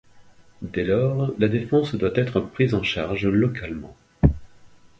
Dès lors la défense doit être prise en charge localement.